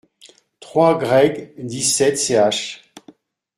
trois Greg., dix-sept, ch.